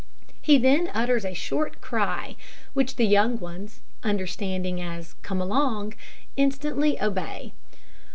He then utters a short cry, which the young ones, understanding as "Come along!" instantly obey.